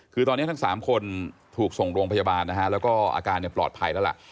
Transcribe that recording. คือตอนนี้ทั้ง๓คนถูกส่งโรงพยาบาลนะฮะแล้วก็อาการปลอดภัยแล้วล่ะ